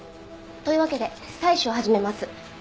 というわけで採取を始めます。